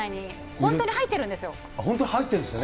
本当に入ってるんですね。